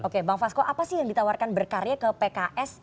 oke bang fasko apa sih yang ditawarkan berkarya ke pks